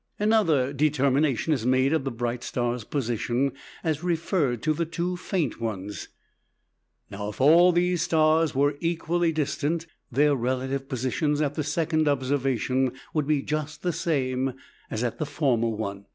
Another determination is made of the bright star's position as referred to the two faint ones. Now, if all these stars were equally distant, their relative positions at the second observation would be just the same as at the former one.